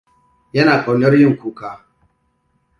Yana ƙaunar yin kuka.